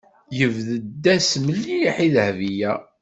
Yebded-as mliḥ i Dahbiya.